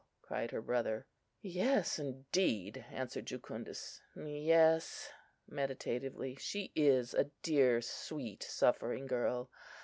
cried her brother. "Yes, indeed!" answered Jucundus; "yes!" meditatively. "She is a dear, sweet, suffering girl!